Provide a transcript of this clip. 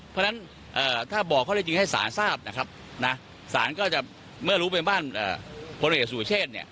เพราะฉะนั้นถ้าบอกข้อได้จริงให้สารทราบนะครับนะศาลก็จะเมื่อรู้เป็นบ้านพลเอกสุเชษเนี่ย